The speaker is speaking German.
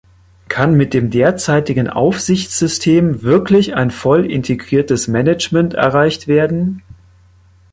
Kann mit dem derzeitigen Aufsichtssystem wirklich ein voll integriertes Management erreicht werden?